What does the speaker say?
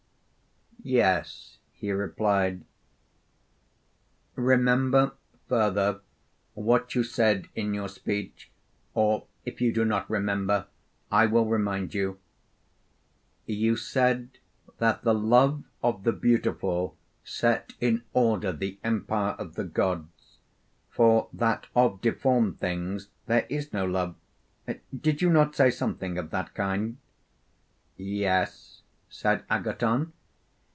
Yes, he replied. Remember further what you said in your speech, or if you do not remember I will remind you: you said that the love of the beautiful set in order the empire of the gods, for that of deformed things there is no love did you not say something of that kind? Yes, said Agathon.